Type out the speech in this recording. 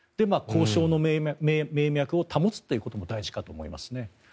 交渉の命脈を保つということも大事かと思いますね。